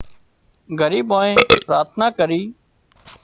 ڳريبائين پراٿنا ڪري